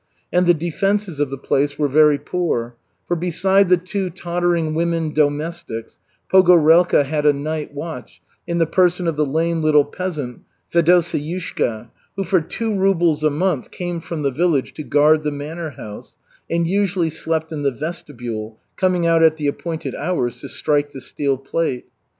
And the defenses of the place were very poor, for beside the two tottering women domestics Pogorelka had a night watch in the person of the lame little peasant Fedoseyushka, who for two rubles a month came from the village to guard the manor house, and usually slept in the vestibule, coming out at the appointed hours to strike the steel plate.